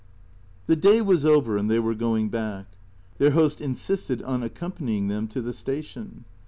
IX THE day was over, and they were going back. Their host insisted on accompanying them to the station.